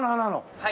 はい。